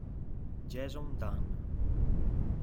Jason Dunn